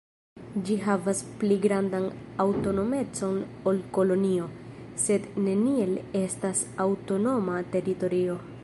Ĝi havas pli grandan aŭtonomecon ol kolonio, sed neniel estas aŭtonoma teritorio.